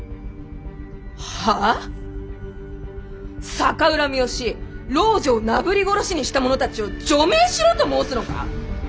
逆恨みをし老女をなぶり殺しにした者たちを助命しろと申すのか！